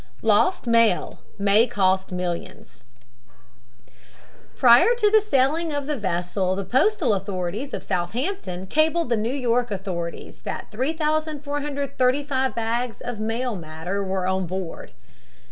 LOST MAIL MAY COST MILLIONS Prior to the sailing of the vessel the postal authorities of Southampton cabled the New York authorities that 3435 bags of mail matter were on board.